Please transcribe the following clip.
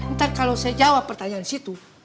ntar kalo saya jawab pertanyaan si tu